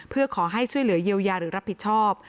เพื่อขอให้ช่วยเหลือเยียวยาหรือรับผิดชอบ